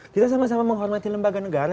kita sama sama menghormati lembaga negara